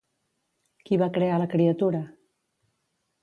Qui va crear la criatura?